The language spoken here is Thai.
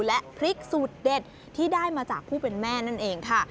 และพริกสูตรเด็ดที่ได้มาจากผู้เป็นแม่นั่นเองค่ะ